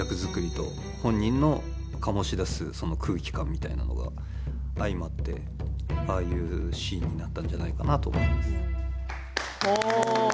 みたいなのが相まってああいうシーンになったんじゃないかなと思います。